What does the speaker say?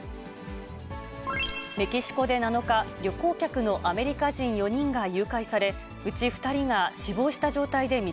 メキシコで７日、旅行客のアメリカ人４人が誘拐され、うち２人が死亡した状態で見